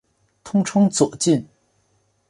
通称左近。